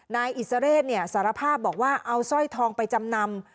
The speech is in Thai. นายอิสระเรศสารภาพบอกว่าเอาสร้อยทองไปจำนำ